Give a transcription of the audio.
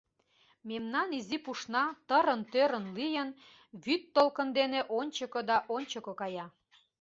Мемнан изи пушна, тырын-тӧрын лийын, вӱд толкын дене ончыко да ончыко кая.